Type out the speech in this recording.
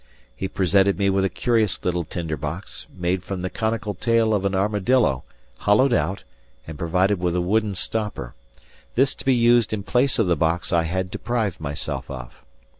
He presented me with a curious little tinder box, made from the conical tail of an armadillo, hollowed out, and provided with a wooden stopper this to be used in place of the box I had deprived myself of.